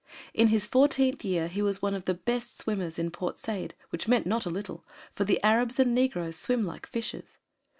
In his fourteenth year, he was one of the best swimmers in Port Said, which meant not a little, for the Arabs and negroes swim like fishes.